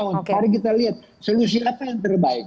mari kita lihat solusi apa yang terbaik